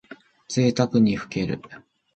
ぜいたくにふける。